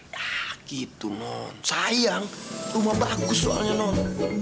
gak gitu non sayang rumah bagus soalnya non